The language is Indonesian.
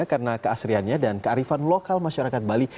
karena keasriannya dan kearifan lokal masyarakat bali